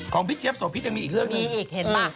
พี่เจี๊ยโสพิษยังมีอีกเรื่องนี้อีกเห็นป่ะ